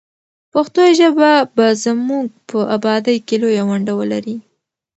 پښتو ژبه به زموږ په ابادۍ کې لویه ونډه ولري.